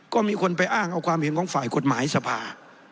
ก็มีคนไปอ้างเอาความเห็นของฝ่ายกฎหมายสภา